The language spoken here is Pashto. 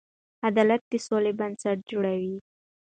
عدالت د سولې بنسټ جوړوي.